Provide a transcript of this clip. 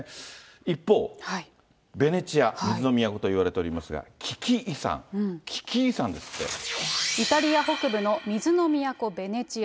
一方、ベネチア、水の都といわれておりますが、危機遺産、イタリア北部の水の都、ベネチア。